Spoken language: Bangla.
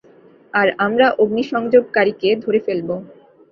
আর আমরা অগ্নিসংযোগকারীকে ধরে ফেলবো।